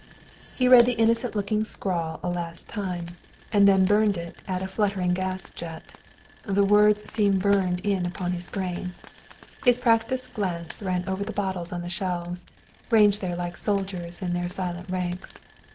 He read the innocent looking scrawl a last time, and then burned it at a fluttering gas jet. The words seemed burned in upon his brain. His practiced glance ran over the bottles on the shelves ranged there like soldiers in their silent ranks.